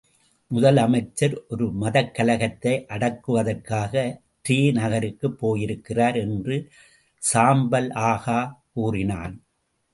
முதல் அமைச்சர், ஒரு மதக் கலகத்தை அடக்குவதற்காக ரே நகருக்குப் போயிருக்கிறார் என்று சாம்பல் ஆகா கூறினான்.